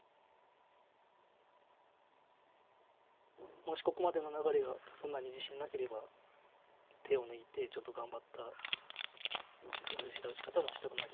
もしここまでの流れがそんなに自信なければ手を抜いてちょっと頑張った工夫した打ち方もしたくなりますし。